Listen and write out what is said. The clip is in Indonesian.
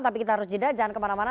tapi kita harus jeda jangan kemana mana